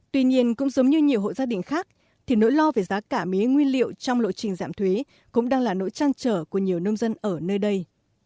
tuy nhiên cũng giống như nhiều hộ gia đình khác thì nỗi lo về giá cả mía nguyên liệu trong lộ trình giảm thuế cũng đang là nỗi trăn trở của nhiều nông dân ở nơi đây